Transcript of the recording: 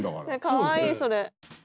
かわいいそれ。